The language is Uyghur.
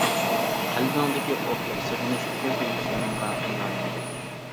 قەلبىڭدىكى ئوتلۇق سېغىنىش كۆز ياشلىرىڭغا ئايلاندى.